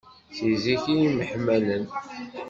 Si zik i myeḥmalen.